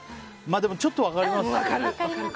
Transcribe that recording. でも、ちょっと分かります。